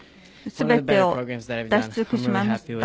全てを出し尽くしました。